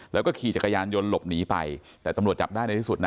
แล้วก็ขี่จักรยานยนต์หลบหนีไปแต่ตำรวจจับได้ในที่สุดนะ